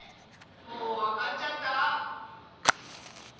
もうわかっちゃった？